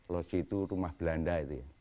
loji itu rumah belanda itu ya